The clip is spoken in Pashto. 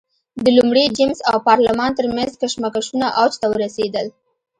د لومړي جېمز او پارلمان ترمنځ کشمکشونه اوج ته ورسېدل.